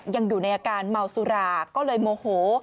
ยังอยู่ในอาการเมาสุราก็เลยโมโห